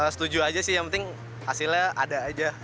setuju saja sih yang penting hasilnya ada saja